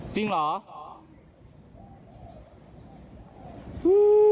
จริงเหรอ